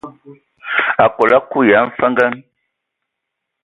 Akol akui ya a mfənge.